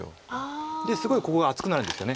ですごいここが厚くなるんですよね。